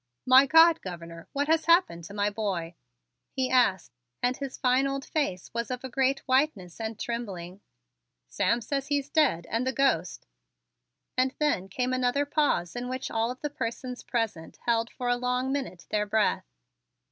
"My God, Governor, what has happened to my boy?" he asked, and his fine old face was of a great whiteness and trembling. "Sam says he's dead and the ghost " and then came another pause in which all of the persons present held for a long minute their breath.